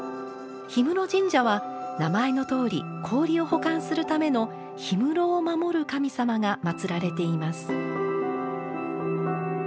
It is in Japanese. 氷室神社は名前のとおり氷を保管するための氷室を守る神様がまつられています。